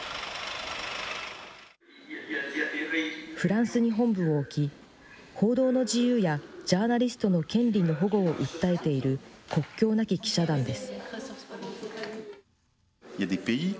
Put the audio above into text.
フランスに本部を置き、報道の自由や、ジャーナリストの権利の保護を訴えている国境なき記者団です。